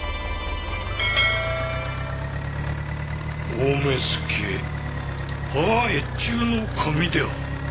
大目付芳賀越中守である。